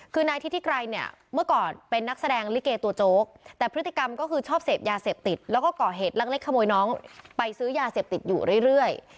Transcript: คือนายทิศิกรัยเนี่ยเมื่อก่อนเป็นนักแสดงลิเกตัวโจ๊กแต่พฤติกรรมก็คือชอบเสพยาเสพติดแล้วก็ก่อเหตุลักเล็กขโมยน้องไปซื้อยาเสพติดอยู่เรื่อย